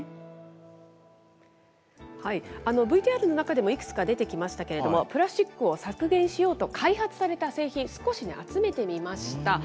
ＶＴＲの中でもいくつか出てきましたけれども、プラスチックを削減しようと開発された製品、少し集めてみました。